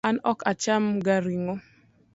An ok acham ga ring'o